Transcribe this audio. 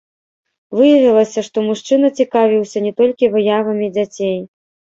Выявілася, што мужчына цікавіўся не толькі выявамі дзяцей.